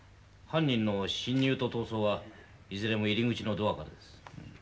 犯人の侵入と逃走はいずれも入り口のドアからです。